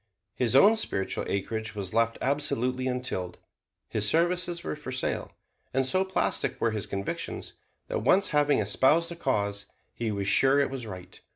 His own spiritual acreage was left absolutely untilled. His services were for sale; and so plastic were his convictions that once having espoused a cause he was sure it was right.